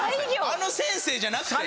あの先生じゃなくて？